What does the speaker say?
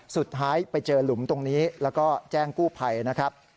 สุดท้ายไปเจอหลุมตรงนี้แล้วก็แจ้งกู้ภัยนะครับ